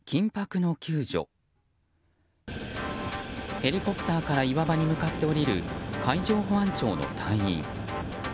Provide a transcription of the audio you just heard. ヘリコプターから岩場に向かって降りる海上保安庁の隊員。